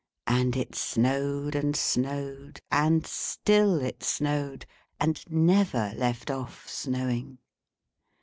And it snowed and snowed, and still it snowed, and never left off snowing.